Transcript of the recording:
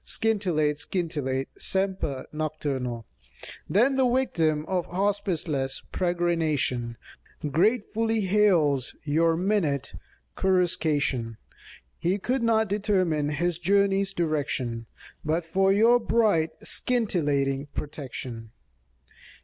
Scintillate, scintillate, semper nocturnal. Saintc Margirie 4T7 Then the yictiin of hospiceless peregrination Gratefully hails your minute coruscation. He could not determine his journey's direction But for your bright scintillating protection.